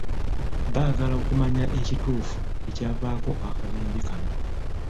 Baagala okumanya ekituufu ekyavaako akabenje kano.